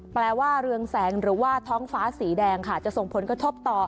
แปลว่าเรืองแสงหรือว่าท้องฟ้าสีแดงค่ะจะส่งผลกระทบต่อ